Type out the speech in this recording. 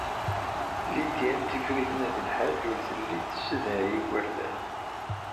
Lidya n Tifrit n At Lḥaǧ ur telli tessedhay igerdan.